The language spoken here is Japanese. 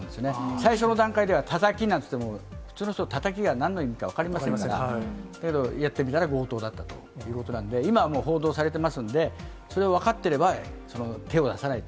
最初の段階ではタタキなんていっても、普通の人、タタキがなんの意味か分かりませんから、だけど、やってみたら強盗だったということなんで、今はもう報道されてますんで、それを分かってれば、手を出さないと。